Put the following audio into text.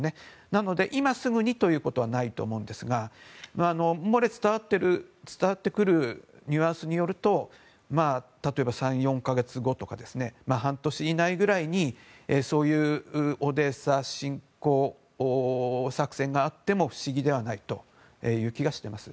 なので今すぐにということはないと思うんですが漏れ伝わってくるニュアンスによると例えば、３４か月後とか半年以内くらいにオデーサ侵攻作戦があっても不思議ではないという気がしています。